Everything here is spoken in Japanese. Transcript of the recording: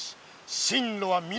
進路は南！